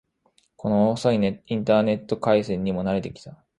この遅いインターネット回線にも慣れてきた